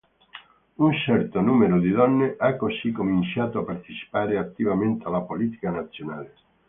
Un certo numero di donne ha così cominciato a partecipare attivamente alla politica nazionale.